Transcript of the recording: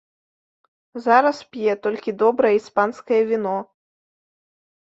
Зараз п'е толькі добрае іспанскае віно.